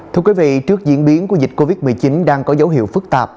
thưa quý vị trước diễn biến của dịch covid một mươi chín đang có dấu hiệu phức tạp